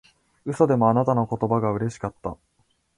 嘘でもあなたの言葉がうれしかった